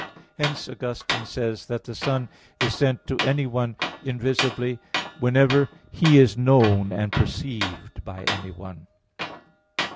Hence Augustine says (De Trin. iv, 20) that "The Son is sent to anyone invisibly, whenever He is known and perceived by anyone."